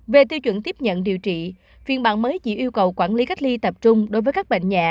về tiêu chuẩn tiếp nhận điều trị phiên bản mới chỉ yêu cầu quản lý cách ly tập trung đối với các bệnh nhẹ